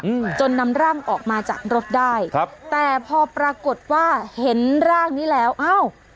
อืมจนนำร่างออกมาจากรถได้ครับแต่พอปรากฏว่าเห็นร่างนี้แล้วอ้าว